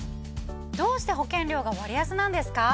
どうして保険料が割安なんですか？